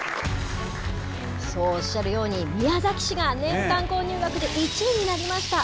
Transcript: そう、おっしゃるように、宮崎市が年間購入額で１位になりました。